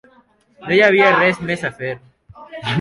No hi havia res més a fer.